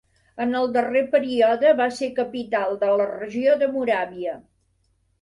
En el darrer període va ser capital de la regió de Moràvia.